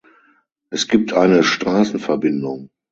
Es gibt eine Straßenverbindung.